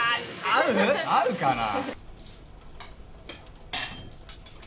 合うかな？